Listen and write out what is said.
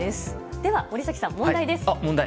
では森崎さん、問題です。